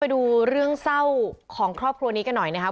ดูเรื่องเศร้าของครอบครัวนี้กันหน่อยนะครับ